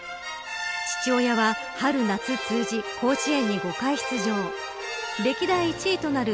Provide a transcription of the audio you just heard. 父親は、春夏通じ甲子園に５回出場歴代１位となる